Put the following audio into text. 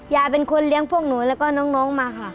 ยายเป็นคนเลี้ยงพวกหนูแล้วก็น้องมาค่ะ